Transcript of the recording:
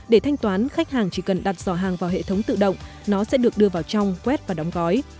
để thanh toán khách hàng chỉ cần đặt giò hàng vào hệ thống tự động nó sẽ được đưa vào trong web và đóng gói